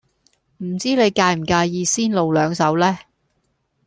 唔知你介唔介意先露兩手呢？